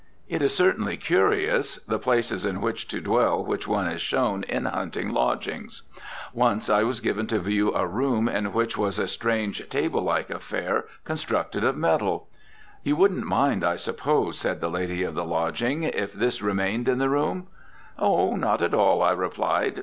It is certainly curious, the places in which to dwell which one is shown in hunting lodgings. Once I was given to view a room in which was a strange table like affair constructed of metal. "You wouldn't mind, I suppose," said the lady of the lodging, "if this remained in the room?" "Oh, not at all," I replied.